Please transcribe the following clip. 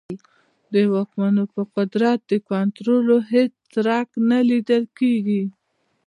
د واکمنانو پر قدرت د کنټرول هېڅ څرک نه لیدل کېږي.